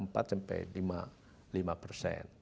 kita empat sampai lima persen